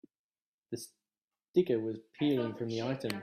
The sticker was peeling from the item.